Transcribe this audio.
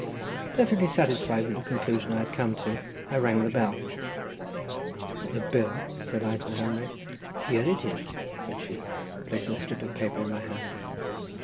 Perfectly satisfied with the conclusion I had come to, I rang the bell. "The bill?" said I to the handmaid. "Here it is!" said she, placing a strip of paper in my hand.